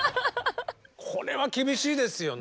これは厳しいですよね。